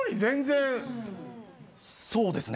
そうですね。